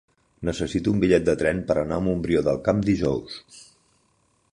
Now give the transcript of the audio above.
Necessito un bitllet de tren per anar a Montbrió del Camp dijous.